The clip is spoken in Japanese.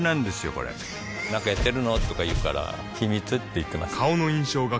これなんかやってるの？とか言うから秘密って言ってます